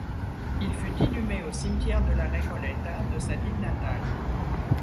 Il fut inhumé au cimetière de la Recoleta de sa ville natale.